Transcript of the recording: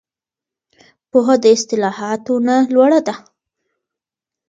پوهه د اصطلاحاتو نه لوړه ده.